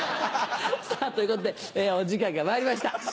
さぁということでお時間がまいりました。